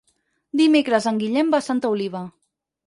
Dimecres en Guillem va a Santa Oliva.